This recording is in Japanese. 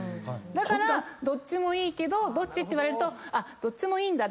だから「どっちもいいけどどっち？」って言われるとどっちもいいんだ。